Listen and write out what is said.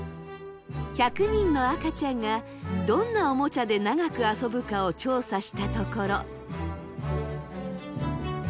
１００人の赤ちゃんがどんなおもちゃで長く遊ぶかを調査したところ。